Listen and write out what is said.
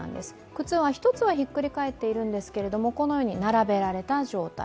靴が１つはひっくり返っているんですけれども、このように並べられた状態。